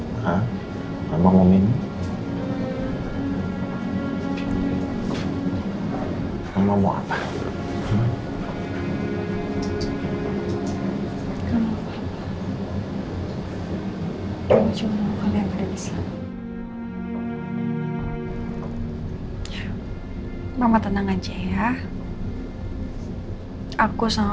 bapak ini pak andin